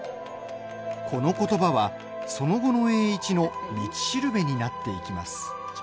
このことばは、その後の栄一の道しるべになっていきます。